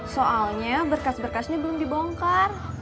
soalnya berkas berkasnya belum dibongkar